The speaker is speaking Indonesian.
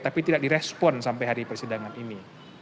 tapi tidak direspon sampai hari persidangan ini